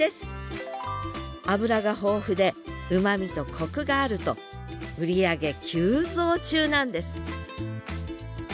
脂が豊富でうまみとコクがあると売り上げ急増中なんです